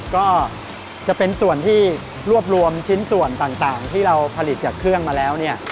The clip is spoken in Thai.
ก็จะเป็นส่วนที่รวบรวมชิ้นส่วนต่างที่เราผลิตจากเครื่องมาแล้วเนี่ย